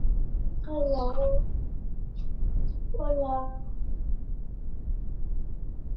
Basati belarri gabea bere kide batzuengana hurbildu zen.